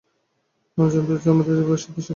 মা জানত যে আমরা এভাবে সাঁতার শিখব না।